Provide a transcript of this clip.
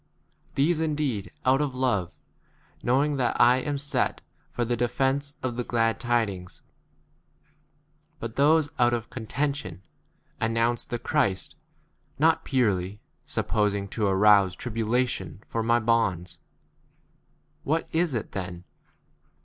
These indeed out of love, knowing that I am set for the de 17 fence of the glad tidings ; but those out of contention, announce the Christ, not purely, supposing to arouse 1 tribulation for my 18 bonds.™ What is it then